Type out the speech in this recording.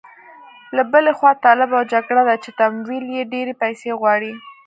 له بلې خوا طالب او جګړه ده چې تمویل یې ډېرې پيسې غواړي.